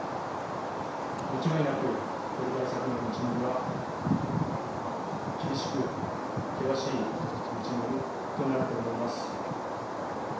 間違いなく、これから先の道のりは、厳しく険しい道のりとなると思います。